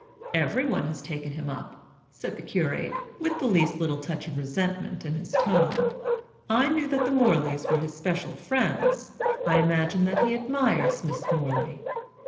"Every one has taken him up," said the curate, with the least little touch of resentment in his tone. "I knew that the Morleys were his special friends; I imagine that he admires Miss Morley."